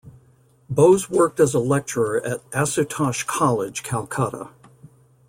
Bose worked as a lecturer at Asutosh College, Calcutta.